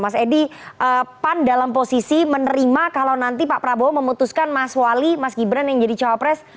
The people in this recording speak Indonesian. mas edi pan dalam posisi menerima kalau nanti pak prabowo memutuskan mas wali mas gibran yang jadi cawapres